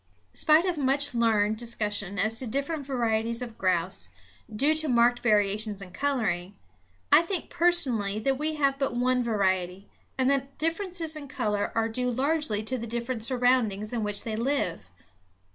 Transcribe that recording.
Spite of much learned discussion as to different varieties of grouse, due to marked variations in coloring, I think personally that we have but one variety, and that differences in color are due largely to the different surroundings in which they live.